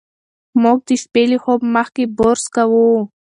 موږ د شپې له خوب مخکې برس کوو.